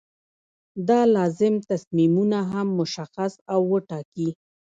دا لازم تصمیمونه هم مشخص او ټاکي.